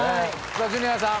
さあジュニアさん。